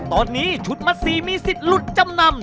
ตอนนี้ชุดมัด๔มีสิทธิ์หลุดจำนำ